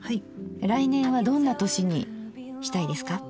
来年はどんな年にしたいですか？